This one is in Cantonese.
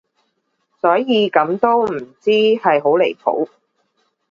所以咁都唔知係好離譜